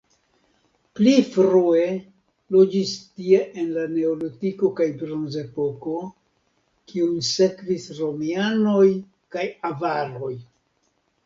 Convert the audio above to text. Pli frue loĝis tie en la neolitiko kaj bronzepoko, kiujn sekvis romianoj kaj avaroj.